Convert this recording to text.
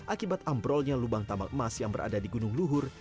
akibat ambrolnya lubang tambang emas yang berada di gunung luhur